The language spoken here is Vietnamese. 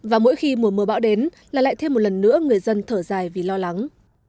và mỗi khi mùa mưa bão đến là lại thêm một lần nữa người dân thở dài vì lo lắng